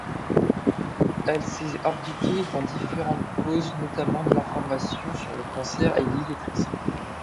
Elle s'est impliquée dans différentes causes, notamment l’information sur le cancer et l'illettrisme.